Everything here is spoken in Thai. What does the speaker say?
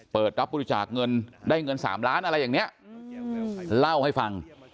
เปิดรับบริจาคเงินได้เงิน๓ล้านอะไรอย่างนี้เล่าให้ฟัง